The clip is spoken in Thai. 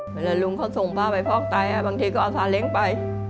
เวลาลุงเขาส่งผ้าไปฟอกไตบางทีก็เอาซาเล้งไป